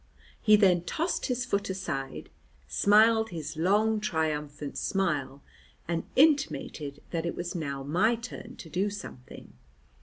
He then tossed his foot aside, smiled his long triumphant smile and intimated that it was now my turn to do something.